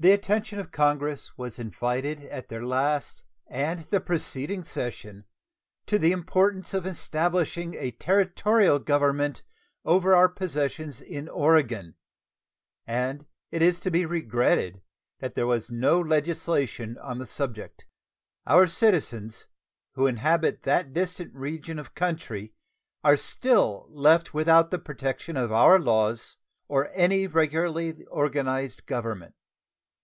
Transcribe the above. The attention of Congress was invited at their last and the preceding session to the importance of establishing a Territorial government over our possessions in Oregon, and it is to be regretted that there was no legislation on the subject. Our citizens who inhabit that distant region of country are still left without the protection of our laws, or any regularly organized government.